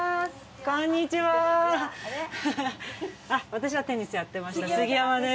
私はテニスやってました杉山です。